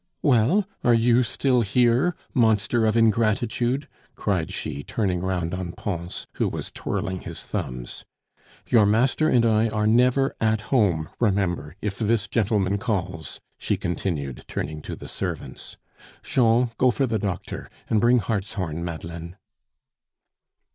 "Well! Are you still here, monster of ingratitude?" cried she, turning round on Pons, who was twirling his thumbs. "Your master and I are never at home, remember, if this gentleman calls," she continued, turning to the servants. "Jean, go for the doctor; and bring hartshorn, Madeleine."